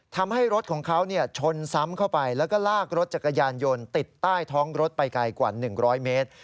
ทำให้รถของเขาชนซ้ำเข้าไปแล้วก็ลากรถจักรยานยนต์ติดใต้ท้องรถไปไกลกว่า๑๐๐เมตร